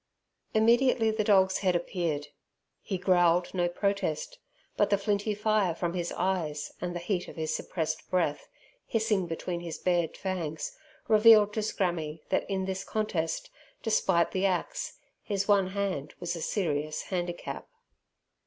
Immediately the dog's head appeared. He growled no protest, but the flinty fire from his eyes and the heat of his suppressed breath, hissing between his bared fangs, revealed to Scrammy that in this contest, despite the axe, his one hand was a serious handicap.